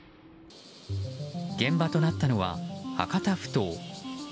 現場となったのは博多埠頭。